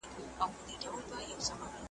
چي لا څومره د اسمان زړه ورته ډک دی `